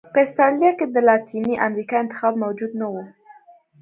په اسټرالیا کې د لاتینې امریکا انتخاب موجود نه و.